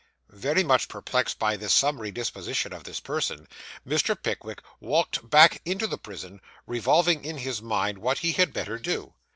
Very much perplexed by this summary disposition of this person, Mr. Pickwick walked back into the prison, revolving in his mind what he had better do.